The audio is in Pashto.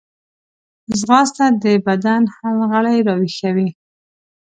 ځغاسته د بدن هر غړی راویښوي